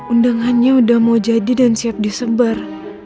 undangannya sudah mau jadi dan siap disebar